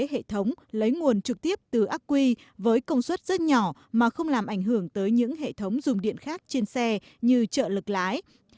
hệ thống lấy nguồn trực tiếp từ ác quy với công suất rất nhỏ mà không làm ảnh hưởng tới những hệ thống dùng điện khác trên xe như chợ lực lái